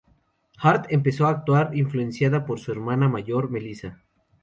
Hart empezó a actuar influenciada por su hermana mayor Melissa.